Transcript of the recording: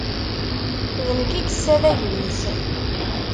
D nekk i yessa d agris.